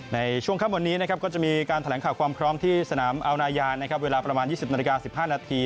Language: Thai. ในช่วงข้างบนนี้ก็จะมีการแถลงข่าวความพร้อมที่สนามอัลนายารเวลาประมาณ๒๐นาที๑๕นาที